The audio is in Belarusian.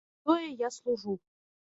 На тое я служу.